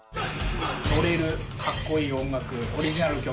乗れるかっこいい音楽、オリジナル曲。